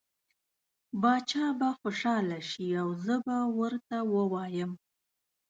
باچا به خوشحاله شي او زه به ورته ووایم.